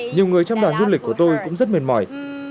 nhiều người trong đoàn du lịch của tôi cũng rất mệt mỏi